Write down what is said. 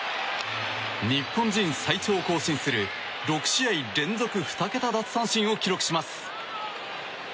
日本人最長を更新する６試合連続２桁奪三振を記録します。